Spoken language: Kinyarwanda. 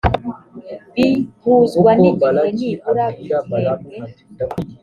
bihuzwa n igihe nibura buri gihembwe